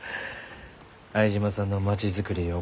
相島さんの「町づくり」ゆう